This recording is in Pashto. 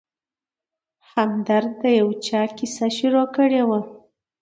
همدرد د یو چا کیسه شروع کړې وه.